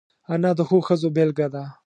انا د ښو ښځو بېلګه ده